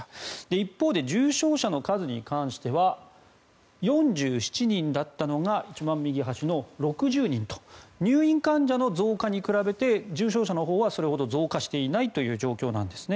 一方で重症者の数に関しては４７人だったのが一番右端の６０人と入院患者の増加に比べて重症者のほうはそれほど増加していないという状況なんですね。